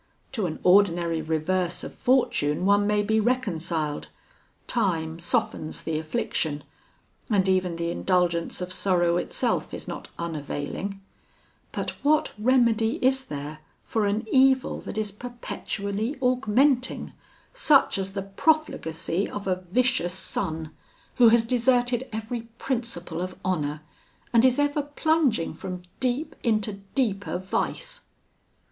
To an ordinary reverse of fortune one may be reconciled; time softens the affliction, and even the indulgence of sorrow itself is not unavailing; but what remedy is there for an evil that is perpetually augmenting, such as the profligacy of a vicious son, who has deserted every principle of honour, and is ever plunging from deep into deeper vice?